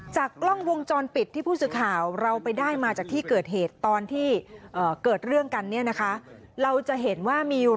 จากล่องวงจรปิดที่ผู้สื่อข่าว